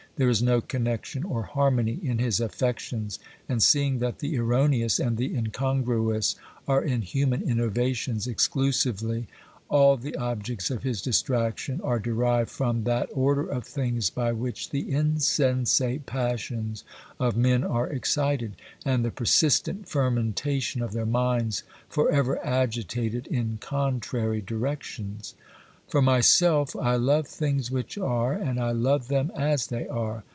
There is no connection or harmony in his affections, and seeing that the erroneous and the incongruous are in human innovations exclusively, all the objects of his distraction are derived from that order of things by which the insensate passions of men are excited, and the persistent fermentation of their minds for ever agitated in contrary directions. For myself I love things which are, and I love them as they are.